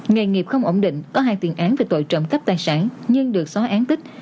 nghề nghiệp không ổn định có hai tiền án về tội trộm cắp tài sản nhưng được xóa án tích